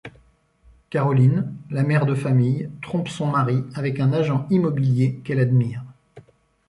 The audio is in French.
Carolyn, la mère de famille, trompe son mari avec un agent immobilier qu'elle admire.